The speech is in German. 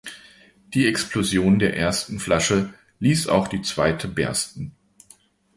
Die Explosion der ersten Flasche ließ auch die zweite bersten.